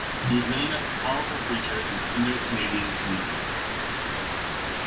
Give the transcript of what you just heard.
He was known as a powerful preacher in the Indo-Canadian community.